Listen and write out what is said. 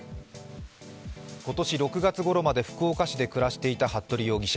今年６月ごろまで福岡市で暮らしていた服部容疑者。